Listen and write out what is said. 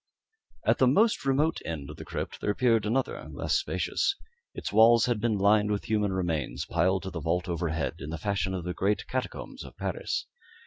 At the most remote end of the crypt there appeared another less spacious. Its walls had been lined with human remains, piled to the vault overhead, in the fashion of the great catacombs of Paris.